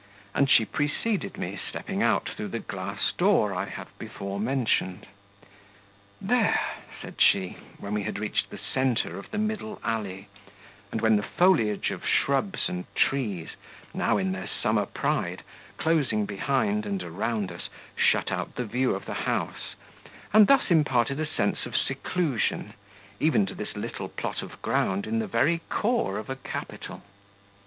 And she preceded me, stepping out through the glass door I have before mentioned. "There," said she, when we had reached the centre of the middle alley, and when the foliage of shrubs and trees, now in their summer pride, closing behind and around us, shut out the view of the house, and thus imparted a sense of seclusion even to this little plot of ground in the very core of a capital.